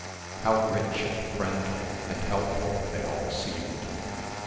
How rich and friendly and helpful they all seemed.